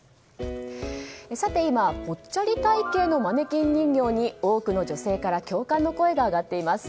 さて、今ぽっちゃり体形のマネキン人形に多くの女性から共感の声が上がっています。